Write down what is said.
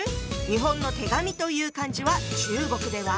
日本の「手紙」という漢字は中国では。